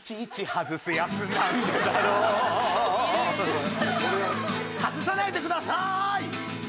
外さないでください！